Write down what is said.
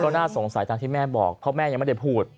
น่าสงสัยตามที่แม่บอกเพราะแม่ยังไม่ได้พูด